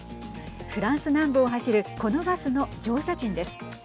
フランス南部を走るこのバスの乗車賃です。